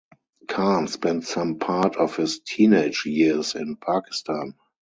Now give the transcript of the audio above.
Khan spent some part of his teenage years in Pakistan.